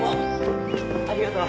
ありがとう。